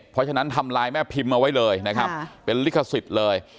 เพราะฉะนั้นทำลายแม่พิมพ์เอาไว้เลยนะครับเป็นลิขสิทธิ์เลย